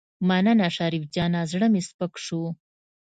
مننه شريف جانه زړه مې سپک شو.